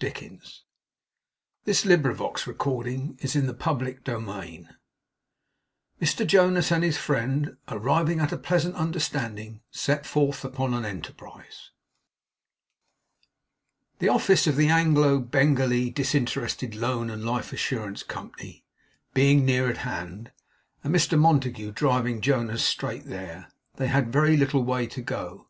No. He must have had some business there. CHAPTER FORTY ONE MR JONAS AND HIS FRIEND, ARRIVING AT A PLEASANT UNDERSTANDING, SET FORTH UPON AN ENTERPRISE The office of the Anglo Bengalee Disinterested Loan and Life Assurance Company being near at hand, and Mr Montague driving Jonas straight there, they had very little way to go.